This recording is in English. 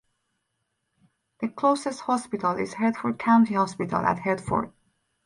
The closest hospital is Hereford County Hospital at Hereford.